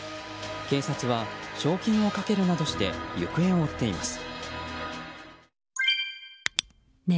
警察は賞金を懸けるなどして行方を追っています。